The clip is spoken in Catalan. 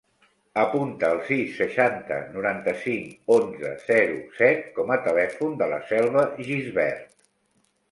Apunta el sis, seixanta, noranta-cinc, onze, zero, set com a telèfon de la Selva Gisbert.